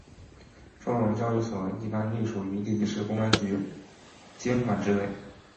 收容教育所一般隶属于地级市公安局监管支队。